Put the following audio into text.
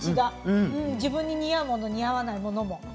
自分に似合うものも似合わないものも。